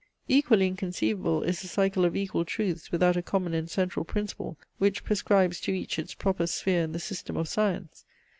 Equally inconceivable is a cycle of equal truths without a common and central principle, which prescribes to each its proper sphere in the system of science.